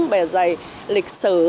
bề dày lịch sử